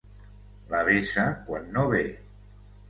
La vessa quan no ve.